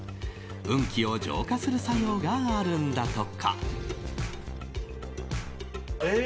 運気を浄化する作用があるんだとか。